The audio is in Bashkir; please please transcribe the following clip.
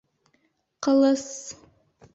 «Ҡылыс»!